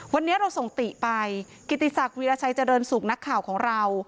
วันนี้เราส่งติไปกิติศักดิราชัยเจริญสุขนักข่าวของเรา